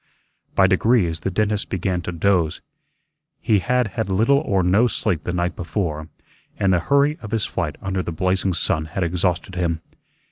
By degrees the dentist began to doze. He had had little or no sleep the night before, and the hurry of his flight under the blazing sun had exhausted him.